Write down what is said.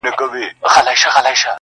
ستا پر لوري د اسمان سترګي ړندې دي٫